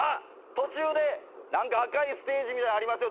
途中で赤いステージみたいのありますよ。